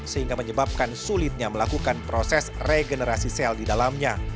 sehingga menyebabkan sulitnya melakukan proses regenerasi sel di dalamnya